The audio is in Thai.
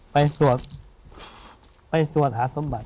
ไปสวดไปสวดหาสมบัติ